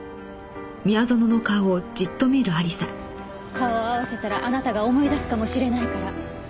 顔を合わせたらあなたが思い出すかもしれないから。